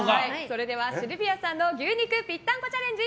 それではシルビアさんの牛肉ぴったんこチャレンジ